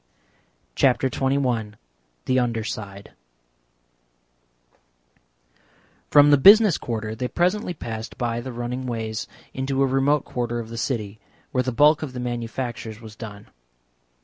CHAPTER XXI THE UNDER SIDE From the Business Quarter they presently passed by the running ways into a remote quarter of the city, where the bulk of the manufactures was done.